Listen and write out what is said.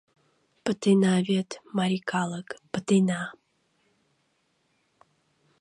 Пытена вет, марий калык, пытена-а...